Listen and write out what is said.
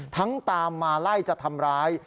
ตามมาไล่จะทำร้าย